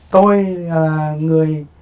tôi là người